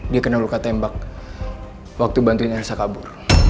dia kena luka tembak waktu bantuin elsa kabur